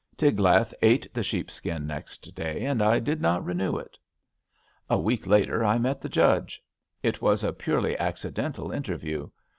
Tiglath ate the sheep skin next day, and I did not renew it. A week later I met the Judge. It was a purely accidental interview.